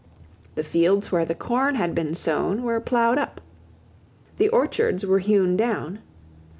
The fields where the corn had been sown were ploughed up. The orchards were hewn down.